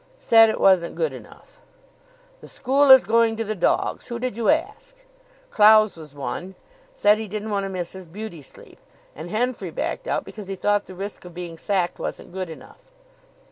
"Said it wasn't good enough." "The school is going to the dogs. Who did you ask?" "Clowes was one. Said he didn't want to miss his beauty sleep. And Henfrey backed out because he thought the risk of being sacked wasn't good enough."